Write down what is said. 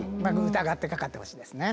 疑ってかかってほしいですね。